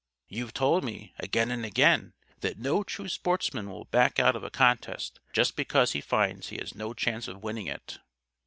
You've told me, again and again, that no true sportsman will back out of a contest just because he finds he has no chance of winning it."